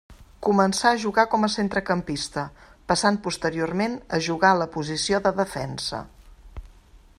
Començà a jugar com a centrecampista, passant posteriorment a jugar a la posició de defensa.